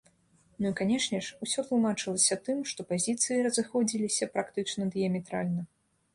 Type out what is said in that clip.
Ну, і канешне ж, усё тлумачылася тым, што пазіцыі разыходзіліся практычна дыяметральна.